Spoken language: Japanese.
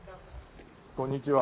こんにちは。